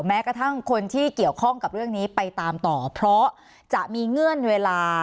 แม้กระทั่งคนที่เกี่ยวข้องกับเรื่องนี้ไปตามต่อเพราะจะมีเงื่อนเวลา